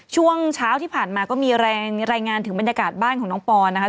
ช่วงเช้าที่ผ่านมาก็มีรายงานถึงบรรยากาศบ้านของน้องปอนนะคะ